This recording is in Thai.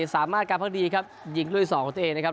สามมาตรการภบภักดีครับยิงด้วยสองของตัวเองนะครับ